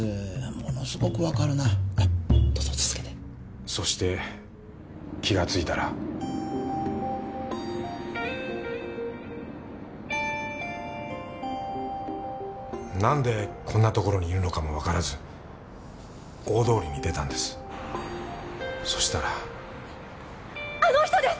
ものすごく分かるなどうぞ続けてそして気がついたら・何でこんな所にいるのかも分からず大通りに出たんですそしたらあの人です！